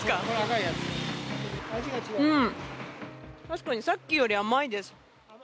確かにさっきより甘いです。